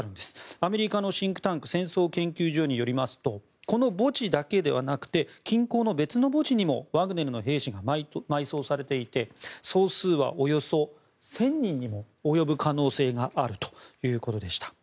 アメリカのシンクタンク戦争研究所によりますとこの墓地だけではなくて近郊の別の墓地にもワグネルの兵士が埋葬されていて総数はおよそ１０００人にも及ぶ可能性があるということでした。